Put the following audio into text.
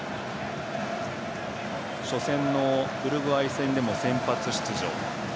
初戦のウルグアイ戦でも先発出場。